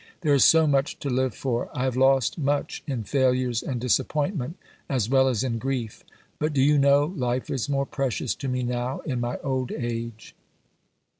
There is so much to live for. I have lost much in failures and disappointment, as well as in grief; but, do you know, life is more precious to me now in my old age."